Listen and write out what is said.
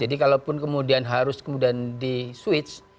jadi kalau pun kemudian harus kemudian di switch